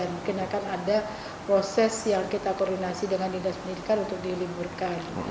mungkin akan ada proses yang kita koordinasi dengan dinas pendidikan untuk diliburkan